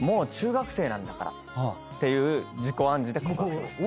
ていう自己暗示で告白しました。